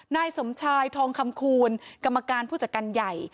นายสมชายทองคำคูณกรรมการผู้จัดการใหญ่